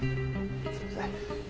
すいません。